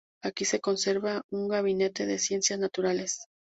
Aquí se conserva un Gabinete de Ciencias Naturales.